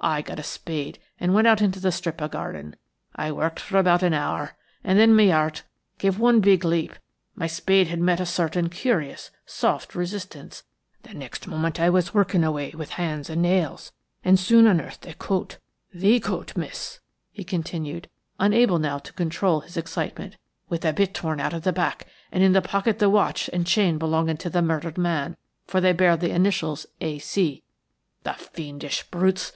I got a spade and went out into the strip of garden, I worked for about an hour, and then my heart gave one big leap–my spade had met a certain curious, soft resistance–the next moment I was working away with hands and nails, and soon unearthed a coat–the coat, miss," he continued, unable now to control his excitement, "with the bit torn out of the back, and in the pocket the watch and chain belonging to the murdered man, for they bear the initials 'A. C.' The fiendish brutes!